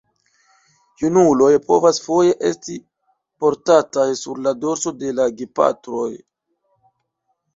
Junuloj povas foje esti portataj sur la dorso de la gepatroj.